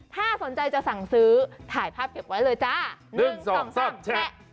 ถ้าสนใจจะสั่งซื้อถ่ายภาพเก็บไว้เลยจ้า๑๒๓แชะ